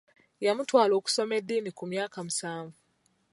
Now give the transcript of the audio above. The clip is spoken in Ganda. Yamutwala okusoma eddiini ku myaka musanvu.